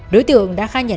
đối tượng đã khai nhận